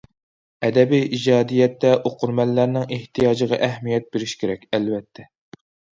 ئەدەبىي ئىجادىيەتتە ئوقۇرمەنلەرنىڭ ئېھتىياجىغا ئەھمىيەت بېرىش كېرەك، ئەلۋەتتە.